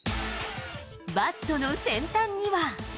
バットの先端には。